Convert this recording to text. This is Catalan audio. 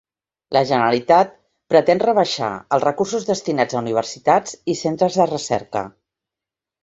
La Generalitat pretén rebaixar els recursos destinats a universitats i centres de recerca.